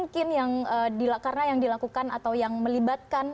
karena yang dilakukan atau yang melibatkan